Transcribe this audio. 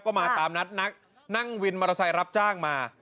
ก็มาตามนัดนักนั่งวินมอเตอร์ไซค์รับจ้างมา